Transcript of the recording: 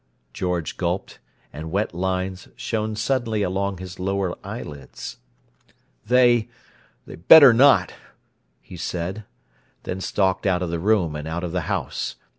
George gulped, and wet lines shone suddenly along his lower eyelids. "They—they'd better not!" he said, then stalked out of the room, and out of the house.